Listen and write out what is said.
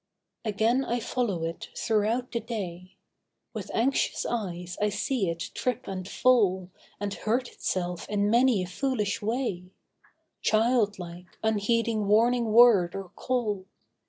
Again I follow it, throughout the day. With anxious eyes I see it trip and fall, And hurt itself in many a foolish way: Childlike, unheeding warning word or call.